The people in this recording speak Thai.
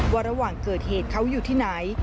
ว่าระหว่างเกิดเหตุเขาอยู่ที่ไหน